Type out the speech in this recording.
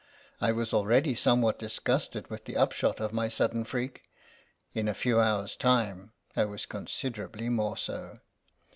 I was already somewhat disgusted with the upshot of my sudden freak ; in a few hours' time I was considerably more so.